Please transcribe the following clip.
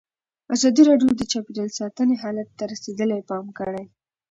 ازادي راډیو د چاپیریال ساتنه حالت ته رسېدلي پام کړی.